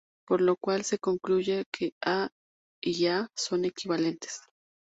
Por lo cual se concluye que A y A’ son equivalentes.